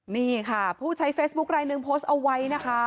นี่ค่ะผู้ใช่เฟซบุ๊กรายหนึ่งโพสต์เอาไว้